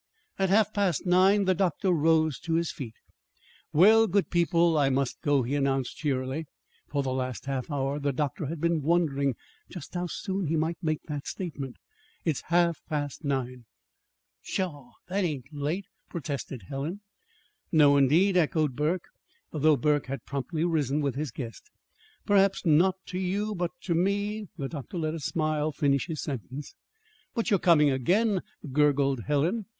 At half past nine the doctor rose to his feet. "Well, good people, I must go," he announced cheerily. (For the last half hour the doctor had been wondering just how soon he might make that statement.) "It's half past nine." "Pshaw! That ain't late," protested Helen. "No, indeed," echoed Burke though Burke had promptly risen with his guest. "Perhaps not, to you; but to me " The doctor let a smile finish his sentence. "But you're coming again," gurgled Helen.